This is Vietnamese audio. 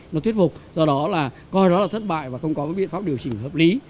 nó thuyết phục do đó là coi đó là thất bại và không có cái biện pháp điều chỉnh hợp lý